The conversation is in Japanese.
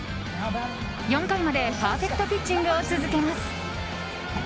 ４回までパーフェクトピッチングを続けます。